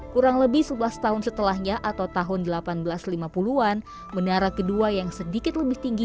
kurang lebih sebelas tahun setelahnya atau tahun seribu delapan ratus lima puluh an menara kedua yang sedikit lebih tinggi